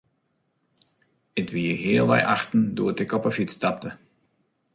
It wie healwei achten doe't ik op 'e fyts stapte.